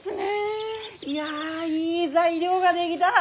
いやいい材料が出来だ。